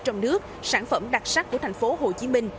trong nước sản phẩm đặc sắc của thành phố hồ chí minh